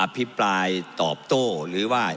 พิปรายตอบโต้หรือว่า